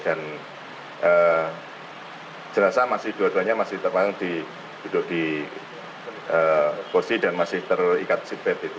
dan jenazah masih dua duanya masih terbang di duduk di posisi dan masih terikat seatbelt itu